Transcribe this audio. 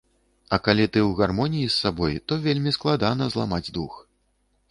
А калі ты ў гармоніі з сабой, то вельмі складана зламаць дух.